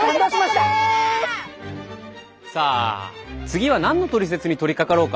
さあ次は何のトリセツに取りかかろうか？